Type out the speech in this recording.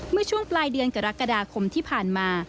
เมื่อช่วงปลายเดือนกรกฎาคมที่ผ่านมา